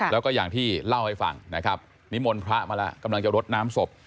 แล้วก็อย่างที่เล่าให้ฟังนะครับนิมนต์พระมาแล้วกำลังจะรดน้ำศพ